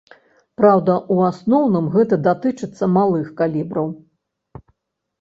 Праўда, у асноўным гэта датычыцца малых калібраў.